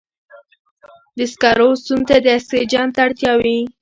د سکرو سون ته د اکسیجن ته اړتیا وي.